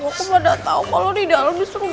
aku nggak tahu kalau di dalam bisa ngapain kamu lagi